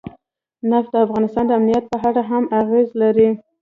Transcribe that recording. نفت د افغانستان د امنیت په اړه هم اغېز لري.